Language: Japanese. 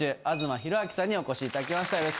吾妻弘章さんにお越しいただきました。